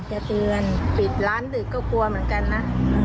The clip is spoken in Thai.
ตายทีก็กลับคู่ให้พรีอย่างนึงเตือน